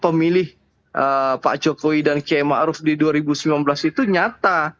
pemilih pak jokowi dan km arus di dua ribu sembilan belas itu nyata